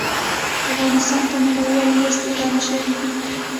افغانستان ته نړيوالې مرستې کمې شوې دي